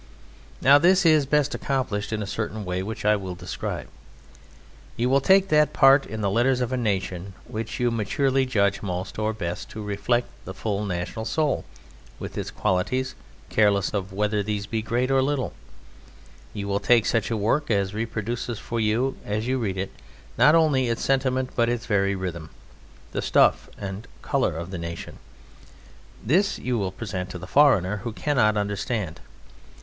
Now this is best accomplished in a certain way which I will describe. You will take that part in the letters of a nation which you maturely judge most or best to reflect the full national soul, with its qualities, careless of whether these be great or little; you will take such a work as reproduces for you as you read it, not only in its sentiment, but in its very rhythm, the stuff and colour of the nation; this you will present to the foreigner, who cannot understand.